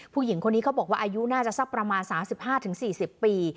ผู้หญิงคนนี้เขาบอกว่าอายุน่าจะสักประมาณ๓๕๔๐ปี